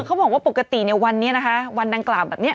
เขาบอกว่าปกติเนี่ยวันนี้นะคะวันดังกล่าวแบบนี้